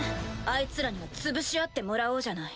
あいつらには潰し合ってもらおうじゃない。